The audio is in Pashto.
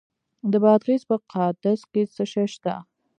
د بادغیس په قادس کې څه شی شته؟